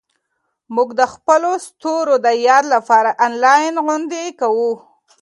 موږ د خپلو ستورو د یاد لپاره انلاین غونډې کوو.